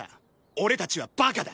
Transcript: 俺たちはバカだ！